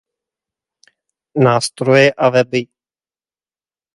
Nástroje a weby